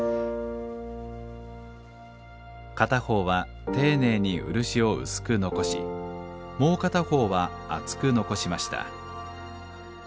片方は丁寧に漆を薄く残しもう片方は厚く残しました。